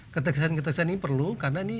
ketegasan ketegasan ini perlu karena